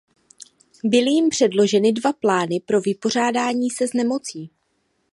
Byly jim předloženy dva plány pro vypořádání se s nemocí.